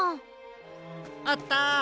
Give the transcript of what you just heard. あった！